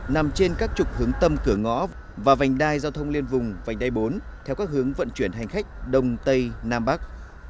nằm trên các trục hướng tâm cửa ngõ và vành đai giao thông liên vùng vành đai bốn theo các hướng vận chuyển hành khách đông tây nam bắc